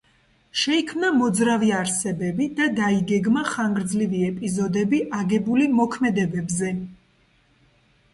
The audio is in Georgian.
შეიქმნა მოძრავი არსებები და დაიგეგმა ხანგრძლივი ეპიზოდები, აგებული მოქმედებებზე.